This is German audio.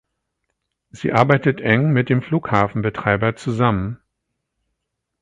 Sie arbeitet eng mit dem Flughafenbetreiber zusammen.